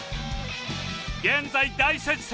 現在大接戦！